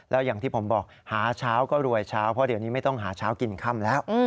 แล้วอย่างที่ผมบอกหาเช้าก็รวยเช้าเพราะเดี๋ยวนี้ไม่ต้องหาเช้ากินค่ำแล้ว